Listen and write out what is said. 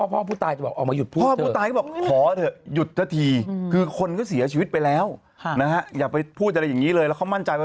ผมตาอยู่ที่คุณก็เสียชีวิตไปแล้วนะฮะ